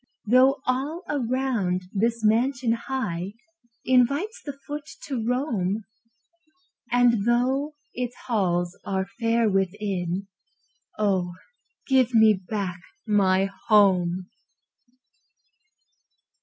Though all around this mansion high Invites the foot to roam, And though its halls are fair within Oh, give me back my HOME!